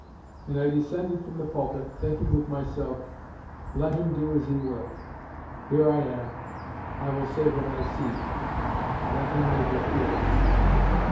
And I descended from the pulpit thinking with myself, "Let Him do as He will. Here I am. I will say what I see: let Him make it good."